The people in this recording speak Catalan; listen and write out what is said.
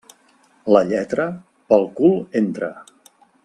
La lletra, pel cul entra.